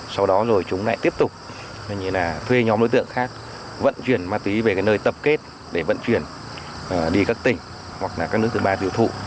sau đó rồi chúng lại tiếp tục như là thuê nhóm đối tượng khác vận chuyển ma túy về cái nơi tập kết để vận chuyển đi các tỉnh hoặc là các nước thứ ba tiêu thụ